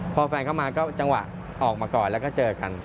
พอแฟนเข้ามาก็จังหวะออกมาก่อนแล้วก็เจอกัน